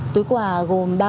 túi quà gồm đồ